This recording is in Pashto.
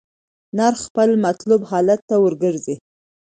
نرخ خپل مطلوب حالت ته ورګرځي.